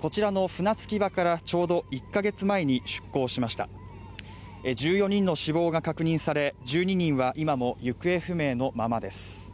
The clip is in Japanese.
こちらの船着き場からちょうど１か月前に出航しました１４人の死亡が確認され１２人は今も行方不明のままです